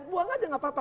buang aja tidak apa apa